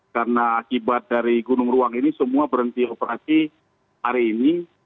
karena akibat dari gunung ruang ini semua berhenti operasi hari ini